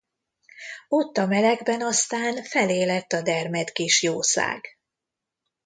Ott a melegben aztán feléledt a dermedt kis jószág.